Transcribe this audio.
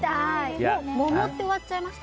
桃って終わっちゃいました？